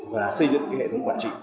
và xây dựng cái hệ thống quản trị